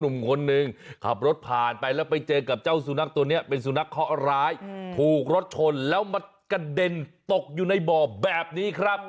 หนุ่มคนนึงขับรถผ่านไปแล้วไปเจอกับเจ้าสุนัขตัวนี้เป็นสุนัขเคาะร้ายถูกรถชนแล้วมากระเด็นตกอยู่ในบ่อแบบนี้ครับ